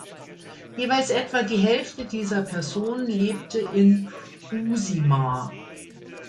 Jeweils etwa die Hälfte dieser Personen lebte in Uusimaa.